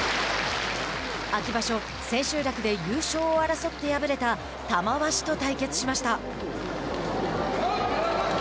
秋場所、千秋楽で優勝を争って敗れた玉鷲と対決しました。